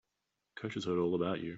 Coach has heard all about you.